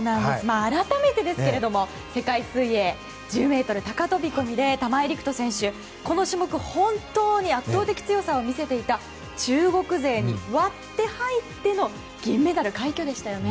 改めてですが世界水泳１０ｍ高飛込で玉井陸斗選手、本当にこの種目で圧倒的強さを見せていた中国勢に割って入っての銀メダル快挙でしたよね。